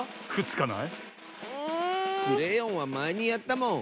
クレヨンはまえにやったもん！